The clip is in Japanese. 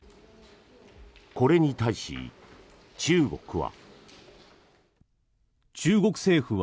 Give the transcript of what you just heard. これに対し、中国は。